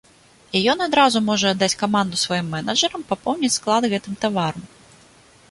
І ён адразу можа аддаць каманду сваім менеджэрам папоўніць склад гэтым таварам.